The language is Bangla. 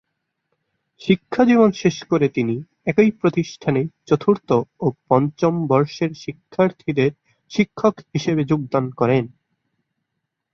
শিক্ষাজীবন শেষ করে তিনি একই প্রতিষ্ঠানে চতুর্থ ও পঞ্চম বর্ষের শিক্ষার্থীদের শিক্ষক হিসেবে যোগদান করেন।